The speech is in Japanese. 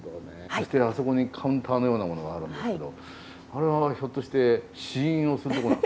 そしてあそこにカウンターのようなものがあるんですけどあれはひょっとして試飲をする所なんですか？